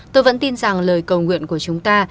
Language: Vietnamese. tôi vẫn tin rằng lời cầu nguyện của chúng ta